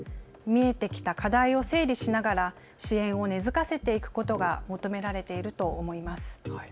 見えてきた課題を整理しながら支援を根づかせていくことが求められていると思います。